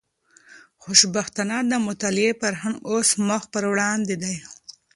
خوشبختانه، د مطالعې فرهنګ اوس مخ پر پرمختګ دی.